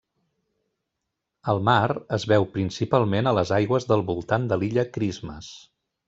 Al mar, es veu principalment a les aigües del voltant de l'illa Christmas.